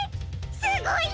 すごいや！